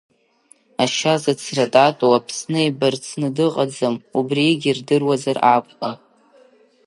Ашьа зыцрататоу Аԥсны ибарцны дыҟаӡам, убригьы рдыруазар акәын.